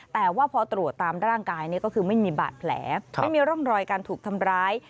แต่ว่าพอตรวจตามร่างกายนี่ก็คือไม่มีบาดแผลไม่มีร่องรอยการถูกทำร้าย